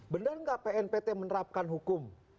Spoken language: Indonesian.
bener gak pnpt menerapkan hukum